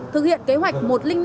thực hiện kế hoạch một trăm linh năm